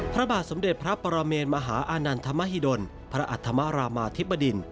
พระบาทสมเด็จพระปรเมนมหาอานันทมหิดลพระอัธมรามาธิบดิน